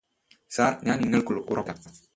sir ഞാന് നിങ്ങള്ക്ക് ഉറപ്പുതരാം